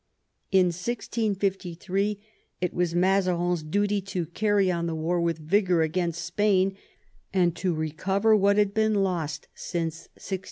In 1653 it was Mazarin's duty to carry on the war with vigour against Spain, and to recover what had been lost since 1648.